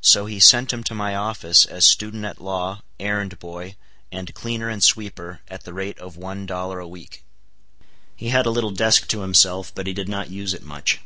So he sent him to my office as student at law, errand boy, and cleaner and sweeper, at the rate of one dollar a week. He had a little desk to himself, but he did not use it much.